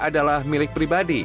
adalah milik pribadi